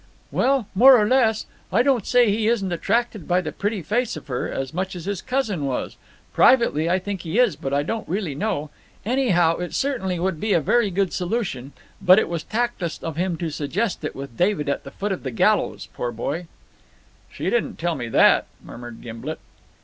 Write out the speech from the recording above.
"Well, more or less. I don't say he isn't attracted by the pretty face of her, as much as his cousin was; privately I think he is, but I don't really know. Anyhow, it certainly would be a very good solution; but it was tactless of him to suggest it with David at the foot of the gallows, poor boy." "She didn't tell me that," murmured Gimblet.